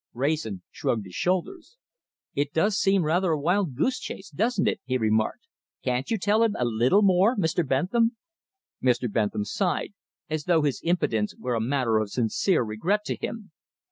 Wrayson shrugged his shoulders. "It does seem rather a wild goose chase, doesn't it?" he remarked. "Can't you tell him a little more, Mr. Bentham?" Mr. Bentham sighed, as though his impotence were a matter of sincere regret to him.